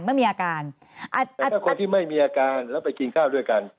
แล้วถ้าคนที่ไม่มีอาการแล้วไปกินข้าวด้วยกัน